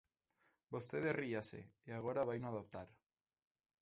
Vostede ríase, e agora vaino adaptar.